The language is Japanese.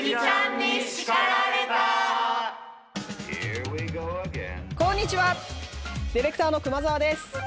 ディレクターの熊澤です。